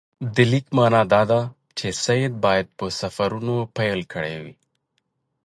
د لیک معنی دا ده چې سید باید په سفرونو پیل کړی وي.